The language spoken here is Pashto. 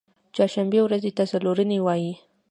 چهارشنبې ورځی ته څلور نۍ وایی